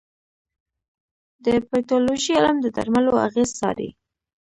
د پیتالوژي علم د درملو اغېز څاري.